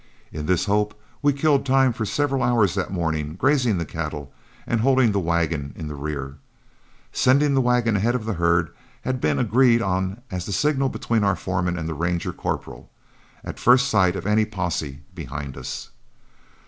In this hope we killed time for several hours that morning, grazing the cattle and holding the wagon in the rear. Sending the wagon ahead of the herd had been agreed on as the signal between our foreman and the Ranger corporal, at first sight of any posse behind us.